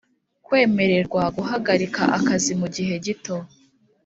kwemererwa guhagarika akazi mu gihe gito